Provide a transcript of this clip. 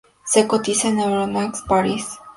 Se cotiza en Euronext París.